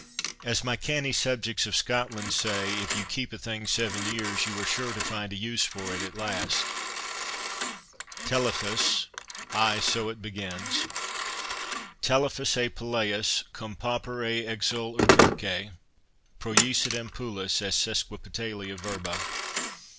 As my canny subjects of Scotland say, If you keep a thing seven years you are sure to find a use for it at last—Telephus—ay, so it begins— 'Telephus et Peleus, cum pauper et exul uterque, Projicit ampullas et sesquipedalia verba.